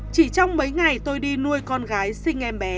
chỉ trong mấy ngày tôi đi nuôi con gái sinh em bé